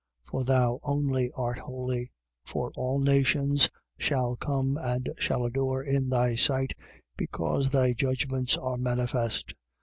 For thou only art holy. For all nations shall come and shall adore in thy sight, because thy judgments are manifest.